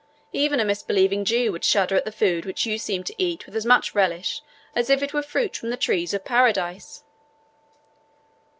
Even a misbelieving Jew would shudder at the food which you seem to eat with as much relish as if it were fruit from the trees of Paradise."